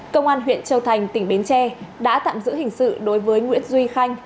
công an huyện châu thành tỉnh bến tre đã tạm giữ hình sự đối với nguyễn duy khanh